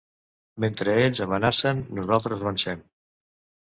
Mentre ells amenacen, nosaltres avancem.